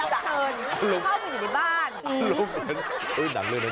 เหมือนลำเทินเข้าไปอยู่ในบ้าน